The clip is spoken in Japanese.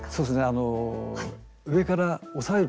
あの上から押さえる形。